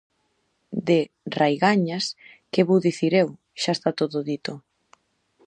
De Raigañas, que vou dicir eu, xa esta todo dito.